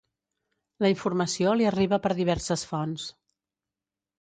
La informació li arriba per diverses fonts.